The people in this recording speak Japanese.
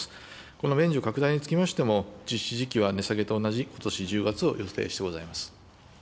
この免除拡大につきましても、実施時期は値下げと同じ、ことし１０月を予定してございます。